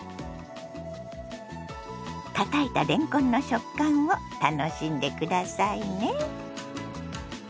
たたいたれんこんの食感を楽しんで下さいね。